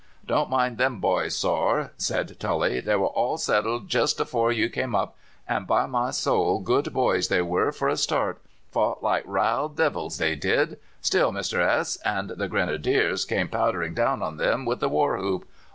"'Don't mind them boys, sorr,' said Tully. 'They were all settled jist afore you came up: and, by my soul, good boys they were for a start fought like raal divils, they did, till Mr. S and the Grenadiers came powdering down on them with the war whoop.